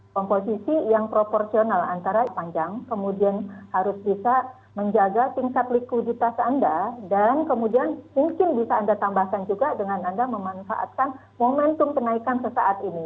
komposisi yang proporsional antara panjang kemudian harus bisa menjaga tingkat likuiditas anda dan kemudian mungkin bisa anda tambahkan juga dengan anda memanfaatkan momentum kenaikan sesaat ini